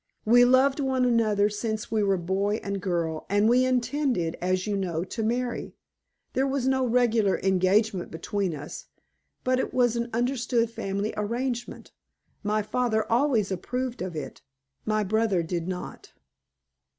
We loved one another since we were boy and girl, and we intended, as you know, to marry. There was no regular engagement between us, but it was an understood family arrangement. My father always approved of it; my brother did not."